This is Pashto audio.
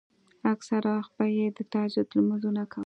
اکثره وخت به يې د تهجد لمونځونه کول.